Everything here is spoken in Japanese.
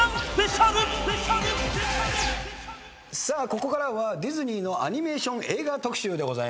さあここからはディズニーのアニメーション映画特集でございます。